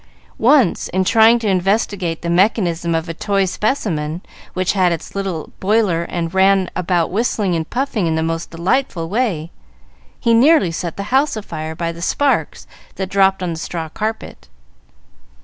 Once, in trying to investigate the mechanism of a toy specimen, which had its little boiler and ran about whistling and puffing in the most delightful way, he nearly set the house afire by the sparks that dropped on the straw carpet.